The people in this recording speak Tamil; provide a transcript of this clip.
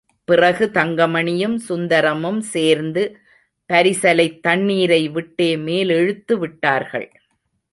பிறகு தங்கமணியும் சுந்தரமும் சேர்ந்து பரிசலைத் தண்ணீரை விட்டே மேலிழுத்துவிட்டார்கள்.